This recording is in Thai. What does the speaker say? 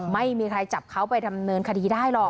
ไม่มีใครจับเขาไปดำเนินคดีได้หรอก